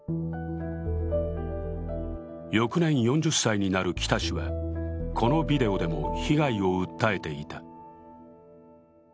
翌年、４０歳になる北氏はこのビデオでも被害を訴えていた。